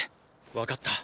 わかった。